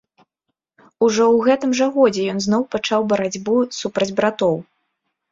Ужо ў гэтым жа годзе ён зноў пачаў барацьбу супраць братоў.